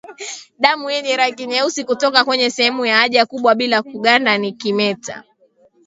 Damu yenye rangi nyeusi kutoka kwenye sehemu ya haja kubwa bila kuganda ni kimeta